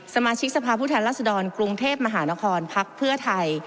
สมาชิกสภาพผู้แทนรัศดรกรุงเทพมหานครพักเพื่อไทย